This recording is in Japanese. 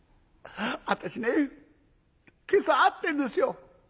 私ね今朝会ってんですよ。